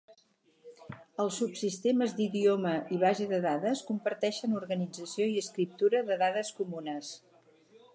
Els subsistemes d'idioma i base de dades comparteixen organització i escriptura de dades comunes.